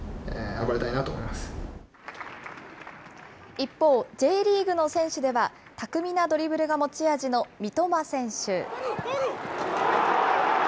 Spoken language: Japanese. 一方、Ｊリーグの選手では、巧みなドリブルが持ち味の三笘選手。